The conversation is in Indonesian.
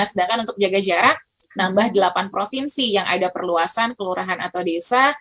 sedangkan untuk jaga jarak nambah delapan provinsi yang ada perluasan kelurahan atau desa